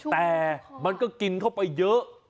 แต่มันก็กินเข้าไปเยอะ